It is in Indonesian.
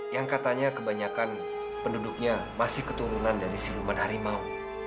yang katanya kebanyakan penduduknya masih keturunan dari siluman harimau